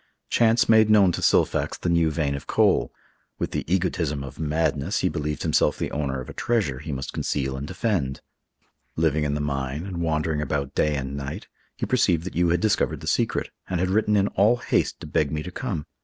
Chance made known to Silfax the new vein of coal. With the egotism of madness, he believed himself the owner of a treasure he must conceal and defend. Living in the mine, and wandering about day and night, he perceived that you had discovered the secret, and had written in all haste to beg me to come.